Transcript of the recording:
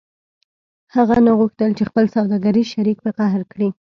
هغه نه غوښتل چې خپل سوداګریز شریک په قهر کړي